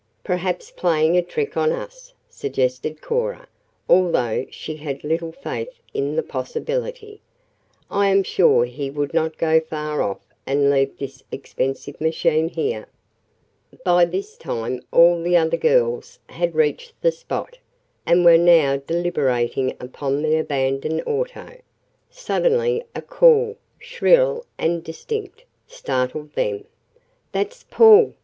"Perhaps playing a trick on us," suggested Cora, although she had little faith in the possibility. "I am sure he would not go far off and leave this expensive machine here." By this time all the other girls had reached the spot, and were now deliberating upon the abandoned auto. Suddenly a call shrill and distinct startled them. "That's Paul!"